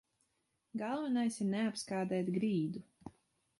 Galvenais ir neapskādēt grīdu.